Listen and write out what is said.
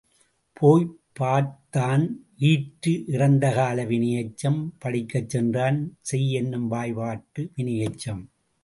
போய்ப் பார்த்தான் ய் ஈற்று இறந்த கால வினையெச்சம், படிக்கச்சென்றான் செய என்னும் வாய்பாட்டு வினையெச்சம்.